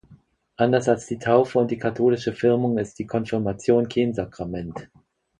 Anders als die Taufe und die katholische Firmung ist die Konfirmation kein Sakrament.